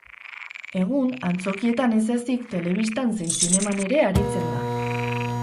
Egun, antzokietan ez ezik, telebistan zein zineman ere aritzen da.